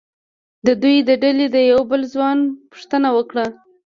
د دوی د ډلې د یوه بل ځوان پوښتنه وکړه.